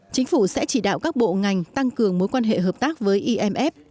chính phủ sẽ chỉ đạo các bộ ngành tăng cường mối quan hệ hợp tác với imf